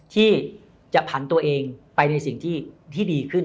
ที่จะผันตัวเองไปในสิ่งที่ดีขึ้น